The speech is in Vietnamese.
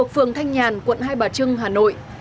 phường thanh nhàn quận hai bà trưng hà nội